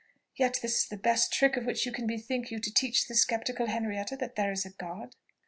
Yet this is the best trick of which you can bethink you to teach the sceptical Henrietta that there is a God."